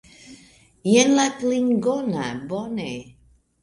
Jen la klingona, bone!